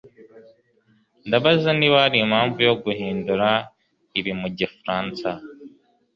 ndabaza niba hari impamvu yo guhindura ibi mu gifaransa